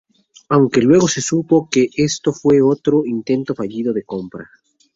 Aunque luego se supo que esto fue otro intento fallido de compra.